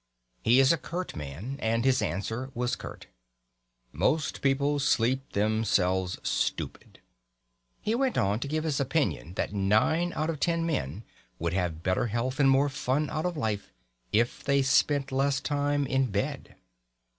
He is a curt man, and his answer was curt: "Most people sleep themselves stupid." He went on to give his opinion that nine men out of ten would have better health and more fun out of life if they spent less time in bed.